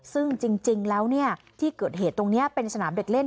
ซึ่งจริงแล้วที่เกิดเหตุตรงนี้เป็นสนามเด็กเล่น